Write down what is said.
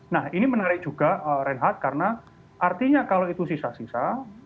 nah ini menarik juga renhat karena artinya kalau itu sisa sisa